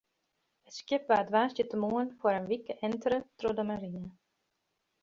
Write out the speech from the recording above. It skip waard woansdeitemoarn foar in wike entere troch de marine.